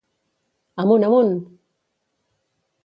Amunt, amunt!